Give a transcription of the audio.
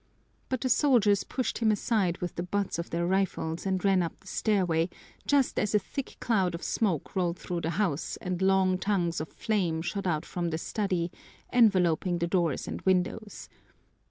But the soldiers pushed him aside with the butts of their rifles and ran up the stairway, just as a thick cloud of smoke rolled through the house and long tongues of flame shot out from the study, enveloping the doors and windows.